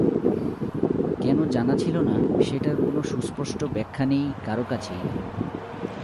কেন জানা ছিল না, সেটার কোনো সুস্পষ্ট ব্যাখ্যা নেই কারও কাছেই।